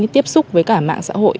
tiếp xúc với cả mạng xã hội